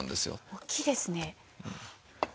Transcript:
大きいですね。